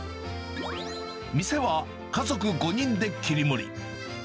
店は家族５人で切り盛り。